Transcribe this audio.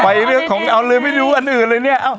เรื่องของเอาเลยไม่รู้อันอื่นเลยเนี่ย